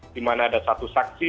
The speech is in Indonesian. dimana ada satu saksi